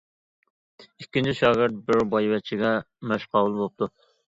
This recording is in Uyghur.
ئىككىنچى شاگىرت بىر بايۋەچچىگە مەشقاۋۇل بوپتۇ.